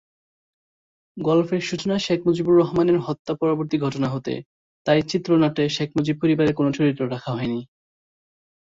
গল্পের সূচনা শেখ মুজিবুর রহমানের হত্যা পরবর্তী ঘটনা হতে, তাই চিত্রনাট্যে শেখ মুজিব পরিবারের কোন চরিত্র রাখা হয়নি।